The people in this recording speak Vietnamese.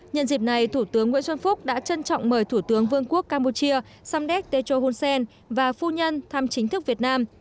nhân dịp này thủ tướng nguyễn xuân phúc đã trân trọng mời thủ tướng vương quốc campuchia samdek techo hun sen và phu nhân thăm chính thức việt nam